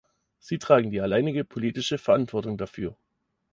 Sie tragen die alleinige politische Verantwortung dafür.